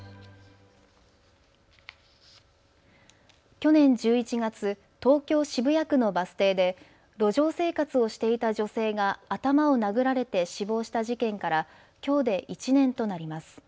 去年１１月、東京渋谷区のバス停で路上生活をしていた女性が頭を殴られて死亡した事件からきょうで１年となります。